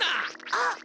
あっ？